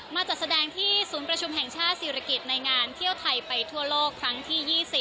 จัดแสดงที่ศูนย์ประชุมแห่งชาติศิริกิจในงานเที่ยวไทยไปทั่วโลกครั้งที่๒๐